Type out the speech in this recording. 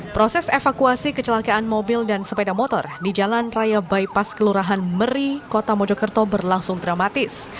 proses evakuasi kecelakaan mobil dan sepeda motor di jalan raya bypass kelurahan meri kota mojokerto berlangsung dramatis